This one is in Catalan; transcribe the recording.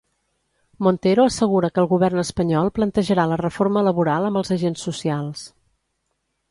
Montero assegura que el govern espanyol plantejarà la reforma laboral amb els agents socials.